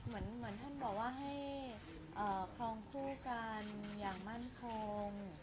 เหมือนท่านบอกว่าให้ครองคู่กันอย่างมั่นคง